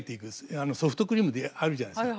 ソフトクリームであるじゃないですか。